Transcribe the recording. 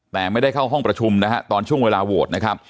แต่ไม่ได้เข้าห้องประชุมนะฮะตอนช่วงเวลาโหวตนะครับ